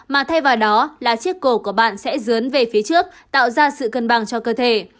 mà thay vào đó là chiếc cổ của bạn sẽ dớn về phía trước tạo ra sự cân bằng cho cơ thể